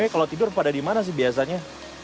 kalau tidur pada dimana sih biasanya